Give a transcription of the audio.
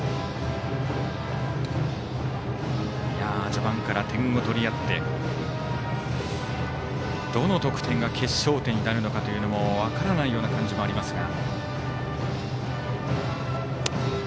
序盤から点を取り合ってどの得点が決勝点になるのかというのも分からないような感じもありますが。